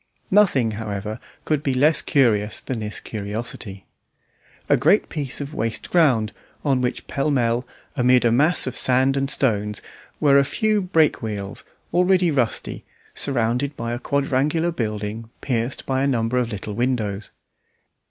Nothing, however, could be less curious than this curiosity. A great piece of waste ground, on which pell mell, amid a mass of sand and stones, were a few break wheels, already rusty, surrounded by a quadrangular building pierced by a number of little windows.